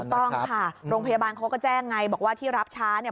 ต้องค่ะโรงพยาบาลเขาก็แจ้งไงบอกว่าที่รับช้าเนี่ย